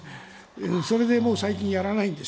それでもう最近やらないんです。